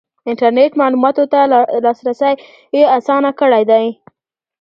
انټرنیټ معلوماتو ته لاسرسی اسانه کړی دی.